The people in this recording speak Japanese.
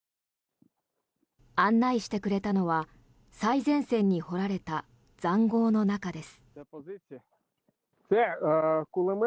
案内してくれたのは最前線に掘られた塹壕の中です。